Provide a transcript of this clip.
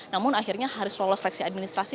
namun akhirnya harus lolos seleksi administrasi